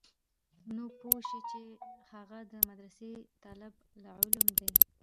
نو پوه سه چې هغه د مدرسې طالب العلم دى.